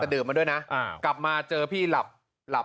แต่เดิมมาด้วยนะอ่าอ่ากลับมาเจอพี่หลับหลับ